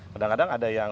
kadang kadang ada yang